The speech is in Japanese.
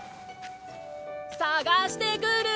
さがしてくる！